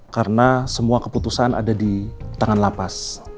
karena semua keputusan ada di tangan lapas